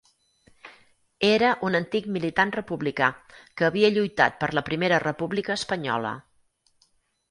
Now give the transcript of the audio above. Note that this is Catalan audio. Era un antic militant republicà que havia lluitat per la Primera República Espanyola.